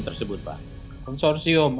menyiapkan pemilihan konsorsium